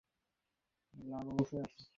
আমার শুধু এক রেহান আছে, সেটা আমার ছেলে।